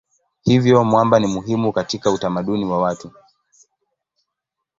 Hivyo mwamba ni muhimu katika utamaduni wa watu.